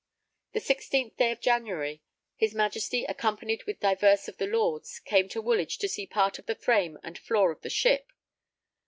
The 16th day of January, his Majesty, accompanied with divers of the lords, came to Woolwich to see part of the frame and floor of the ship laid.